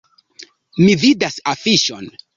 Mi vidas afiŝon.